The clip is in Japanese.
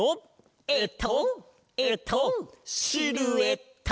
えっとえっとシルエット！